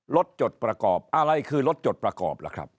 จดประกอบอะไรคือรถจดประกอบล่ะครับ